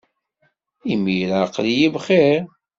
Imir-a aql-iyi bxir.